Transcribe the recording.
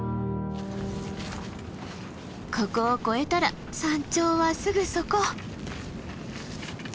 ここを越えたら山頂はすぐそこ！